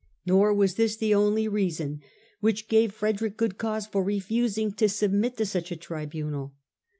Nor was this the only reason which gave Frederick good cause for refusing to submit to such a tribunal.